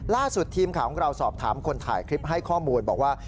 ล่าสุดทีมข่าวของเราสอบถามคนถ่ายคลิปให้ข้อมูลบอกว่า